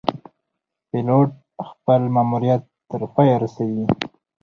پیلوټ خپل ماموریت تر پایه رسوي.